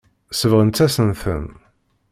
Sebɣent-asen-ten.